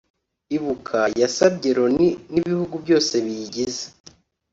Ibuka yasabye Loni n’ibihugu byose biyigize